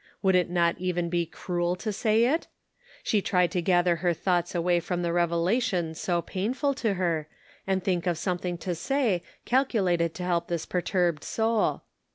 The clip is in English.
Would it not even be cruel to say it? She tried to gather her thoughts away from the revelation so painful to her, and think of some thing to say calculated to help this perturbed soul.